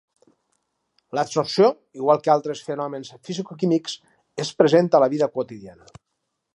L'adsorció, igual que altres fenòmens fisicoquímics, és present a la vida quotidiana.